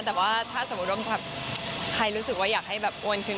แต่ว่าถ้าสมมุติว่าใครรู้สึกว่าอยากให้แบบอ้วนขึ้น